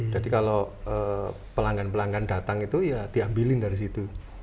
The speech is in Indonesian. jadi kalau pelanggan pelanggan datang itu ya diambilin dari situ